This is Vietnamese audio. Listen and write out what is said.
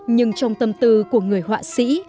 nhưng trong tâm tư của người họa sĩ